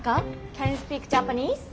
キャンニュースピークジャパニーズ？